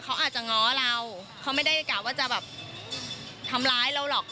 เขาอาจจะง้อเราเขาไม่ได้กะว่าจะแบบทำร้ายเราหรอก